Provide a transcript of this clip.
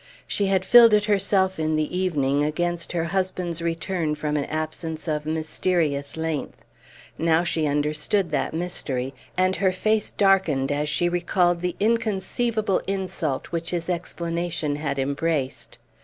She had filled it herself in the evening against her husband's return from an absence of mysterious length. Now she understood that mystery, and her face darkened as she recalled the inconceivable insult which his explanation had embraced.